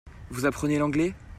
Vous apprenez l'anglais ?